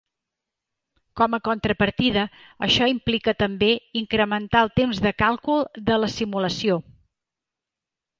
Com a contrapartida, això implica també incrementar el temps de càlcul de la simulació.